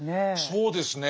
そうですね。